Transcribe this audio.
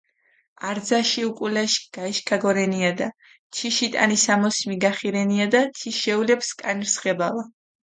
არძაში უკულაში გაიშქაგორენიადა, თიში ტანისამოსი მიგახირენიადა, თის შეულებჷ სქანი რსხებავა.